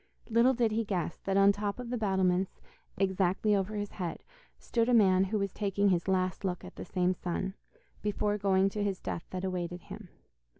Little did he guess that on top of the battlements, exactly over his head, stood a man who was taking his last look at the same sun, before going to his death that awaited him.